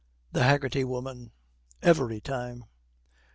THE HAGGERTY WOMAN. 'Every time.'